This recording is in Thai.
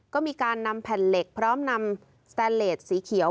ก็มีการนำแผ่นเหล็กพร้อมนำสแตนเลสสีเขียว